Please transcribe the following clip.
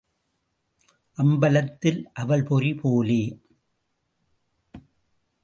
அம்பலத்தில் அவல்பொரி போலே.